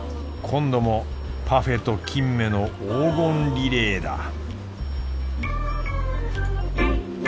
今度もパフェと金目の黄金リレーだ